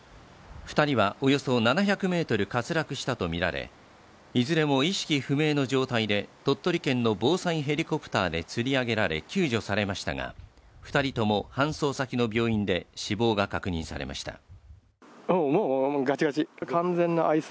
２人はおよそ７００ｍ滑落したとみられいずれも意識不明の状態で鳥取県の防災ヘリコプターでつり上げられ救助されましたが、２人とも搬送先の病院で死亡が確認されました。